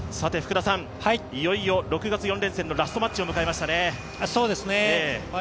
いよいよ６月４連戦のラストマッチを迎えましたね。